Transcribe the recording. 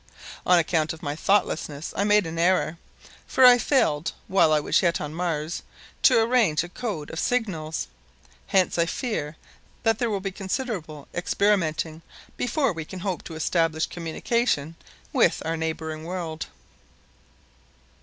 On account of my thoughtlessness I made an error, for I failed, while I was yet on Mars, to arrange a code of signals; hence I fear that there will be considerable experimenting before we can hope to establish communication with our neighbor world.